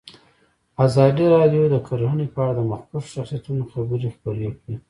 ازادي راډیو د کرهنه په اړه د مخکښو شخصیتونو خبرې خپرې کړي.